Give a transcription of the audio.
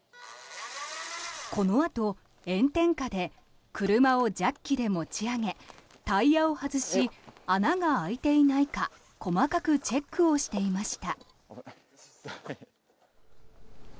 このあと炎天下で車をジャッキで持ち上げタイヤを外し穴が開いていないか細かくチェックをしていました。